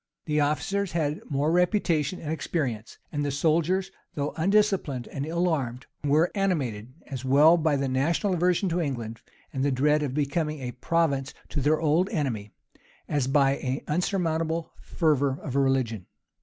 The officers had more reputation and experience; and the soldiers, though undisciplined and ill armed, were animated, as well by the national aversion to England, and the dread of becoming a province to their old enemy, as by an unsurmountable fervor of religion.